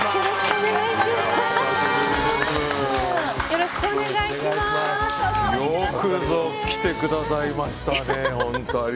よろしくお願いします。